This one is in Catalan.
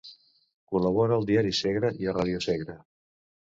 Col·labora al Diari Segre i a Ràdio Segre.